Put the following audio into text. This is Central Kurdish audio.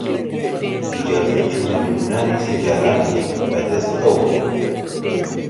ئیجازەی چوونە لوبنانی سیلدارانیش بە دەست ئەو بوو